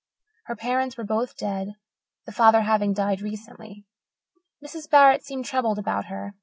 Her parents were both dead, the father having died recently. Mrs. Barrett seemed troubled about her.